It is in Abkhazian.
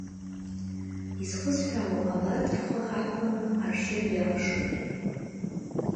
Изхысҳәаауа, абарҭ рхы ҳархәаны ҳаршьыргьы алшоит…